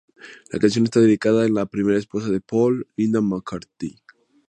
La canción está dedicada a la primera esposa de Paul, Linda McCartney.